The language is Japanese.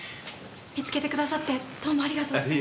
見つけてくださってどうもありがとうございます。